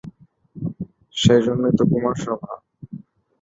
সেইজন্যেই তো কুমারসভা।